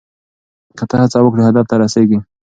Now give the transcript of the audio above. که ته هڅه وکړې هدف ته رسیږې.